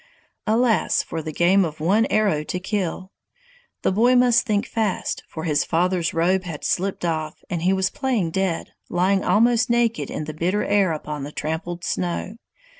Alas for the game of "one arrow to kill!" The boy must think fast, for his father's robe had slipped off, and he was playing dead, lying almost naked in the bitter air upon the trampled snow.